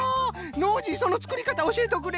ノージーそのつくりかたおしえとくれ！